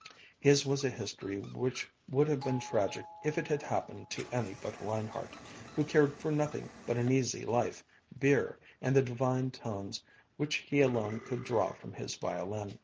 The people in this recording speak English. His was a history which would have been tragic if it had happened to any but Reinhardt, who cared for nothing but an easy life, beer, and the divine tones which he alone could draw from his violin.